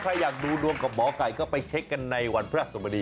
ถ้าใครอยากดูน้วงกับหมอกาให้ก็ไปเช็คกันในวันพระสมดีนะคะ